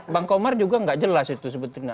bang komar juga nggak jelas itu sebetulnya